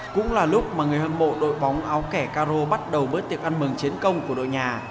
cũng là lúc mà người hâm mộ đội bóng áo kẻ caro bắt đầu bớt tiệc ăn mừng chiến công của đội nhà